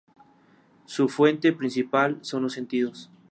Su fuente principal son los sentidos.